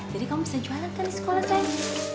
jadi kamu bisa jualan kan di sekolah sayang